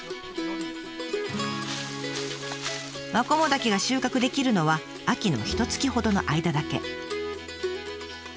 マコモダケが収穫できるのは秋のひとつきほどの間だけ。